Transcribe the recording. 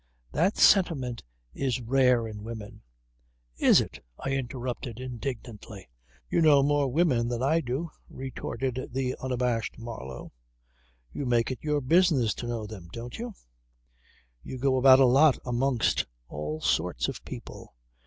That sentiment is rare in women ..." "Is it?" I interrupted indignantly. "You know more women than I do," retorted the unabashed Marlow. "You make it your business to know them don't you? You go about a lot amongst all sorts of people.